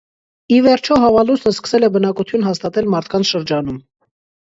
Ի վերջո հավալուսնը սկսել է բնակություն հաստատել մարդկանց շրջանում։